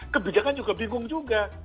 kebijakan juga bingung juga